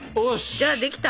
じゃあできた！